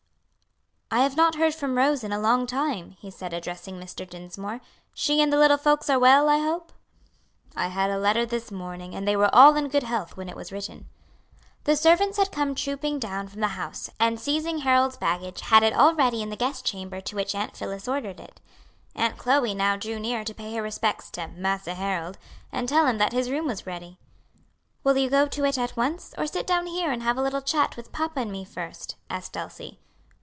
"I have not heard from Rose in a long time," he said, addressing Mr. Dinsmore. "She and the little folks are well, I hope?" "I had a letter this morning, and they were all in good health when it was written." The servants had come trooping down from the house, and seizing Harold's baggage had it all ready in the guest chamber to which Aunt Phillis ordered it. Aunt Chloe now drew near to pay her respects to "Massa Harold," and tell him that his room was ready. "Will you go to it at once? or sit down here and have a little chat with papa and me first?" asked Elsie.